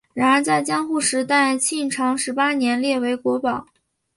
然而在江户时代庆长十八年列为国宝。